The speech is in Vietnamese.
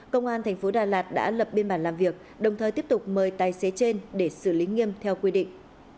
công an thành phố đà lạt đã lập biên bản làm việc đồng thời tiếp tục mời tài xế trên để xử lý nghiêm theo quy định